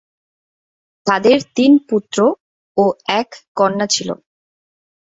তাদের তিন পুত্র ও এক কন্যা ছিল।